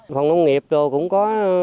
phần nông nghiệp rồi cũng có